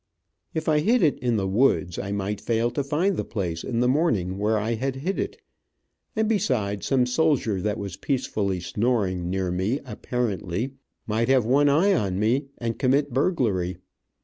If I hid it in the woods I might fail to find the place, in the morning, where I had hid it, and besides, some soldier that was peacefully snoring near me, apparently, might have one eye on me, and commit burglary.